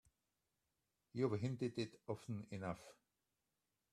You've hinted it often enough.